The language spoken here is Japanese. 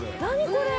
これ。